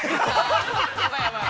◆やばいやばい。